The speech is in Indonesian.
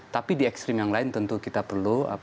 tapi di ekstrim yang lain tentu kita perlu